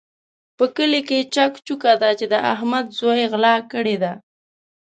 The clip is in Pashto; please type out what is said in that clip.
په کلي کې چک چوکه ده چې د احمد زوی غلا کړې ده.